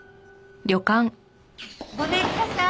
ごめんください！